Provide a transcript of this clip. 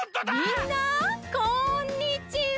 みんなこんにちは！